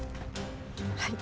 はい。